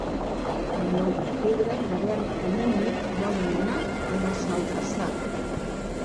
El nou d'octubre na Berta i na Nit volen anar a Massalfassar.